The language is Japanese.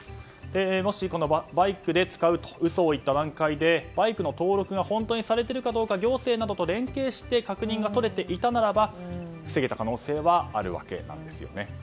もし、バイクで使うと嘘を言った段階でバイクの登録が本当にされているか行政などと連携してた確認が取れていたなら防げた可能性はあるわけですね。